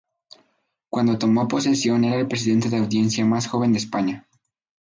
Cuando tomó posesión era el presidente de Audiencia más joven de España.